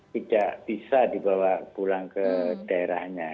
tidak bisa dibawa pulang ke daerahnya